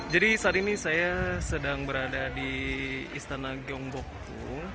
jadi saat ini saya sedang berada di istana gyeongbokgung